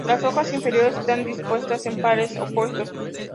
Las hojas inferiores están dispuestas en pares opuestos.